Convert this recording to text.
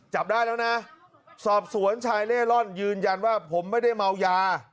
จับได้แล้วนะสอบสวนชายเล่ร่อนยืนยันว่าผมไม่ได้เมายา